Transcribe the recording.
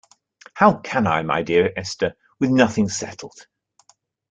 How can I, my dear Esther, with nothing settled!